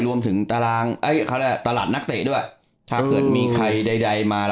รวมถึงตลาดนักเตะด้วยถ้าเกิดมีใครใดมา